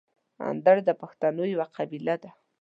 اندړ د پښتنو یوه قبیله ده.